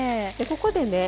ここでね